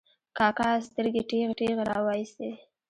کاکا سترګې ټېغې ټېغې را وایستې.